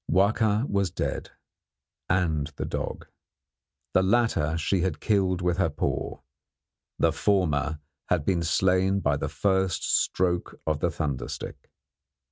Wahka was dead, and the dog. The latter she had killed with her paw; the former had been slain by the first stroke of the thunder stick.